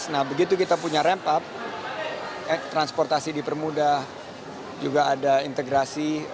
nah begitu kita punya ramp up transportasi di permuda juga ada integrasi